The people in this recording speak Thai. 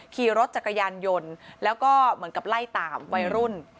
ขี่รถจักรยานยนต์แล้วก็เหมือนกับไล่ตามวัยรุ่น